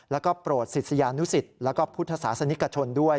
แล้วก็โปรดศิษยานุสิตแล้วก็พุทธศาสนิกชนด้วย